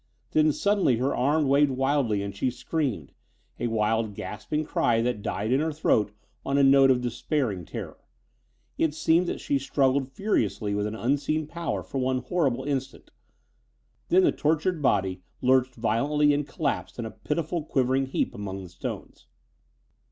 Then suddenly her arm waved wildly and she screamed, a wild gasping cry that died in her throat on a note of despairing terror. It seemed that she struggled furiously with an unseen power for one horrible instant. Then the tortured body lurched violently and collapsed in a pitiful quivering heap among the stones.